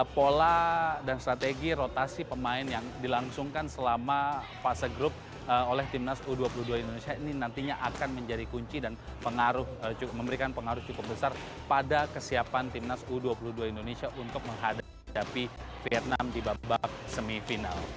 pola dan strategi rotasi pemain yang dilangsungkan selama fase grup oleh timnas u dua puluh dua indonesia ini nantinya akan menjadi kunci dan memberikan pengaruh cukup besar pada kesiapan timnas u dua puluh dua indonesia untuk menghadapi vietnam di babak semifinal